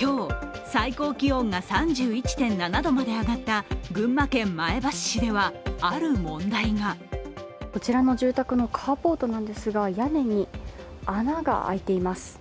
今日、最高気温が３１．７度まで上がった群馬県前橋市では、こちらの住宅のカーポートなんですが屋根に穴が開いています。